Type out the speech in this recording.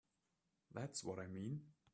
That's what I mean.